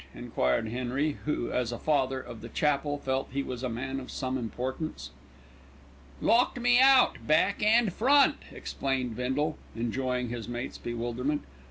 enquired Henry, who, as a Father of the Chapel, felt he was a man of some importance. "Locked me out, back and front," explained Bindle, enjoying his mate's bewilderment.